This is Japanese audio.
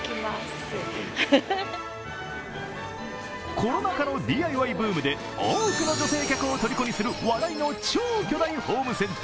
コロナ禍のＤＩＹブームで多くの女性をとりこにする話題の超巨大ホームセンタ。